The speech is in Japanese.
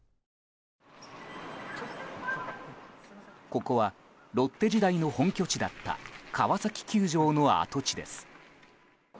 ここはロッテ時代の本拠地だった川崎球場の跡地です。